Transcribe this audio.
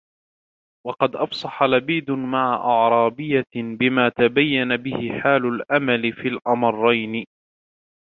وَقَدْ أَفْصَحَ لَبِيدٌ مَعَ أَعْرَابِيَّةٍ بِمَا تَبَيَّنَ بِهِ حَالُ الْأَمَلِ فِي الْأَمْرَيْنِ